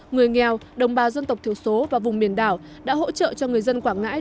người nghèo đồng bào dân tộc thiểu số và vùng biển đảo đã hỗ trợ cho người dân quảng ngãi